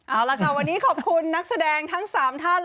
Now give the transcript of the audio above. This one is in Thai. เอาละค่ะวันนี้ขอบคุณนักแสดงทั้ง๓ท่าน